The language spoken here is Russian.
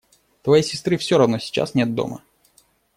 Твоей сестры все равно сейчас нет дома.